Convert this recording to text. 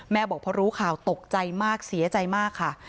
บอกพอรู้ข่าวตกใจมากเสียใจมากค่ะ